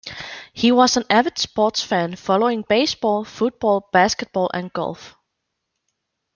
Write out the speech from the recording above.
He was an avid sports fan, following baseball, football, basketball and golf.